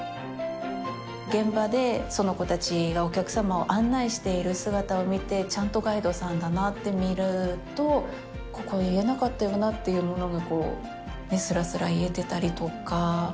現場でその子たちがお客様を案内している姿を見て、ちゃんとガイドさんだなって見ると、ここ、言えなかったよなというものがすらすら言えてたりとか。